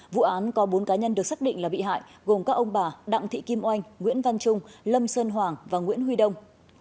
vụ án có bốn cá nhân được xác định là bị hại gồm các ông bà đặng thị kim oanh nguyễn văn trung lâm sơn hoàng và nguyễn huy đông